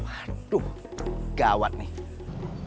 waduh gawat nih